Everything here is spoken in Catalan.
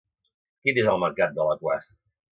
Quin dia és el mercat d'Alaquàs?